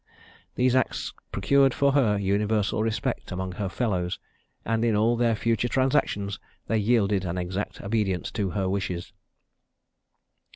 These acts procured for her universal respect among her fellows, and in all their future transactions they yielded an exact obedience to her wishes.